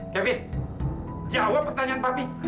kevin jawab pertanyaan papi